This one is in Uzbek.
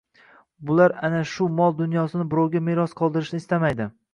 Bular ana shu mol-dunyosini birovga meros qoldirishni istamaydi.